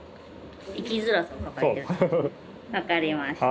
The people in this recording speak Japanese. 分かりました。